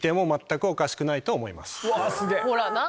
うわすげぇ。